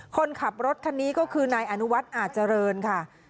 คนขับรถคันนี้ก็คือนายอนุวัฒน์อาจเจริญค่ะ